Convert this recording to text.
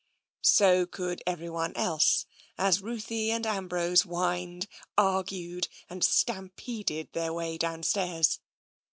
So could everyone else, as Ruthie and Ambrose whined, argued, and stampeded their way downstairs.